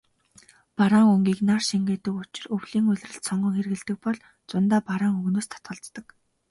Бараан өнгийг нар шингээдэг учир өвлийн улиралд сонгон хэрэглэдэг бол зундаа бараан өнгөнөөс татгалздаг.